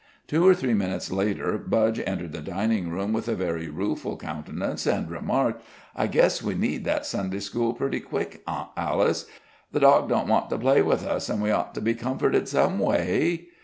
Two or three minutes later Budge entered the dining room with a very rueful countenance, and remarked: "I guess we need that Sunday school pretty quick, Aunt Alice. The dog don't want to play with us, and we ought to be comforted some way."